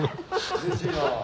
うれしいなぁ。